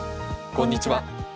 こんにちは。